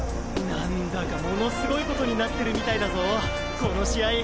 何だかものすごい事になってるみたいだぞこの試合。